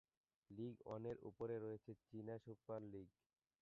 লীগ ওয়ানের উপরে রয়েছে চীনা সুপার লীগ।